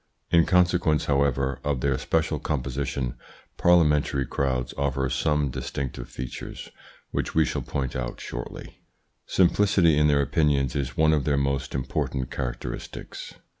In consequence, however, of their special composition parliamentary crowds offer some distinctive features, which we shall point out shortly. Simplicity in their opinions is one of their most important characteristics.